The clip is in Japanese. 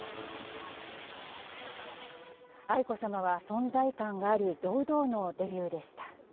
愛子さまは存在感があり、堂々のデビューでした。